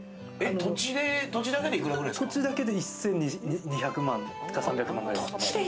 土地だけで１２００万３００万くらい。